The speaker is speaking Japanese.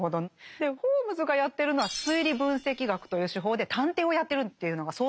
でホームズがやってるのは「推理分析学」という手法で探偵をやってるっていうのが早々に明らかになりましたよね。